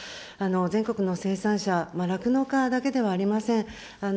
全国の生産者、酪農家だけではありません。